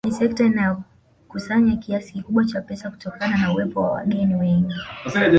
Ni sekta inayokusanya kiasi kikubwa cha pesa kutokana na uwepo wa wageni wengi